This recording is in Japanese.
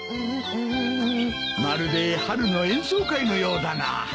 まるで春の演奏会のようだな。